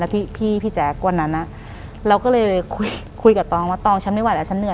หลังจากนั้นเราไม่ได้คุยกันนะคะเดินเข้าบ้านอืม